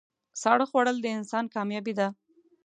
ساړه خوړل د انسان کامیابي ده.